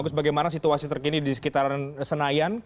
terus bagaimana situasi terkini di sekitar senayan